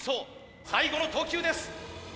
最後の投球です。